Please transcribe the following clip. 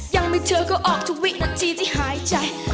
ยังไม่เจอก็ออกทุกวินาทีที่หายใจ